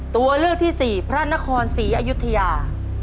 ตัวเลือกที่สี่พระนครศรีอยุธยา